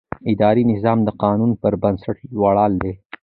اداري نظام د قانون پر بنسټ ولاړ دی.